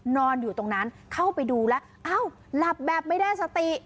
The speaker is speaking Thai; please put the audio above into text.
นอนอยู่ตรงนั้นเข้าไปดูแล้วอ้าวหลับแบบไม่ได้สติ